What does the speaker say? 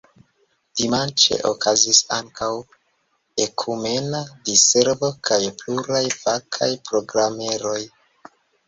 Dimanĉe okazis ankaŭ ekumena diservo kaj pluraj fakaj programeroj.